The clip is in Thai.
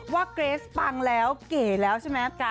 วะเกรสปรังแล้วเก๋เราใช่มะ